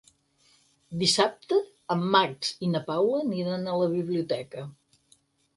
Dissabte en Max i na Paula aniran a la biblioteca.